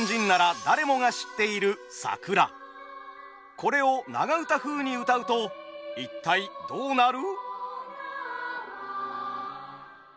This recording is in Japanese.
これを長唄風にうたうと一体どうなる？